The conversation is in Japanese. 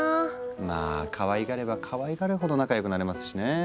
まあかわいがればかわいがるほど仲良くなれますしね。